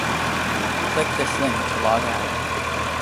Click this link to log out.